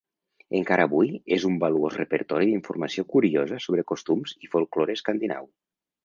Encara avui és un valuós repertori d'informació curiosa sobre costums i folklore escandinau.